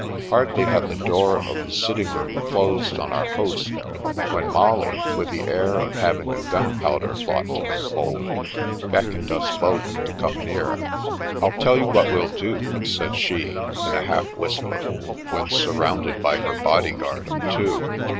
Hardly had the door of the sitting room closed on our host, when Molly, with the air of having a gun powder plot to unfold, beckoned us both to come near. " I'll tell you what we'll do," said she, in a half whisper, when surrounded by her body guard of two.